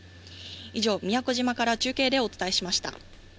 以上、宮古島から中継でお伝えしました。